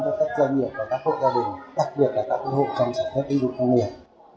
cho các doanh nghiệp và các hộ gia đình đặc biệt là các ưu hộ trong sản phẩm ứng dụng công nghiệp